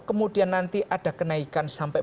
kemudian nanti ada kenaikan sampai